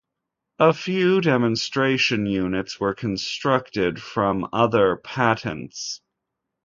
A few demonstration units were constructed from other patents.